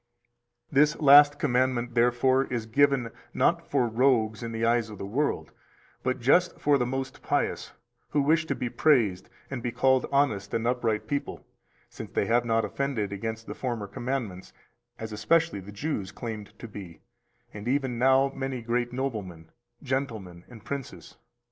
300 This last commandment therefore is given not for rogues in the eyes of the world, but just for the most pious, who wish to be praised and be called honest and upright people, since they have not offended against the former commandments, as especially the Jews claimed to be, and even now many great noblemen, gentlemen, and princes.